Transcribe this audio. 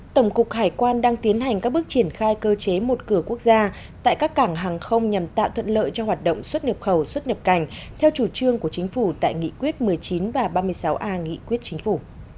tổng cục hải quan đang tiến hành các bước triển khai cơ chế một cửa quốc gia tại các cảng hàng không nhằm tạo thuận lợi cho hoạt động xuất nhập khẩu xuất nhập cảnh theo chủ trương của chính phủ tại nghị quyết một mươi chín và ba mươi sáu a nghị quyết chính phủ